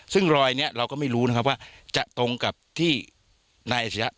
ซึ่งรอยนี้เราก็ไม่รู้นะครับว่าจะตรงกับที่นายอาชิยะ